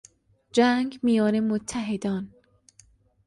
جنگ میان متحدان